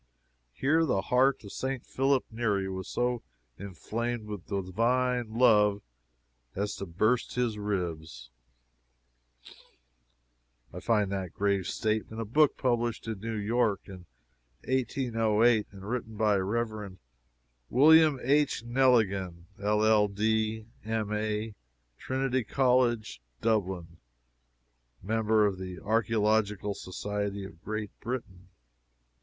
"Here the heart of St. Philip Neri was so inflamed with divine love as to burst his ribs." I find that grave statement in a book published in New York in 1808, and written by "Rev. William H. Neligan, LL.D., M. A., Trinity College, Dublin; Member of the Archaeological Society of Great Britain."